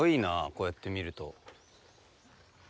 こうやって見ると。